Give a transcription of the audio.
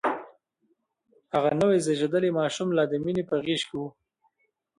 هغه نوی زيږدلی ماشوم لا د مينې په غېږ کې و.